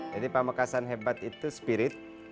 jadi pamekasan hebat itu spirit